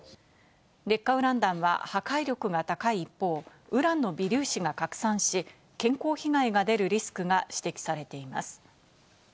劣化ウラン弾は破壊力が高い一方、ウランの微粒子が拡散し、健康被害が出るリスクが指摘されています。